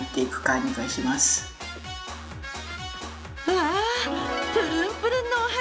わぁプルンプルンのお肌！